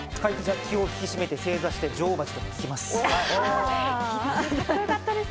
気を引き締めて正座で女王蜂を聴きます。